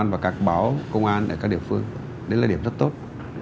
các báo công an và các báo công an ở các địa phương đấy là điểm rất tốt